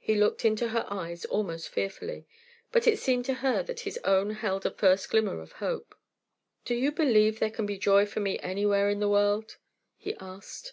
He looked into her eyes almost fearfully, but it seemed to her that his own held a first glimmer of hope. "Do you believe there can be joy for me anywhere in the world?" he asked.